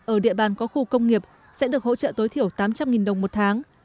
ở địa bàn có khu công nghiệp sẽ được hỗ trợ tối thiểu tám trăm linh đồng một tháng